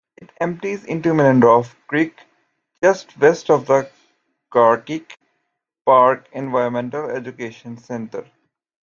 It empties into Mohlendorph Creek, just west of the Carkeek Park Environmental Education Center.